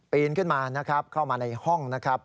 ขึ้นมานะครับเข้ามาในห้องนะครับ